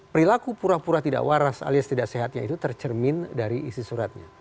perilaku pura pura tidak waras alias tidak sehatnya itu tercermin dari isi suratnya